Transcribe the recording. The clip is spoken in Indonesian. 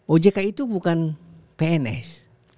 ojk itu bukan pns